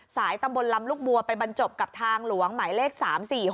ตำบลลำลูกบัวไปบรรจบกับทางหลวงหมายเลข๓๔๖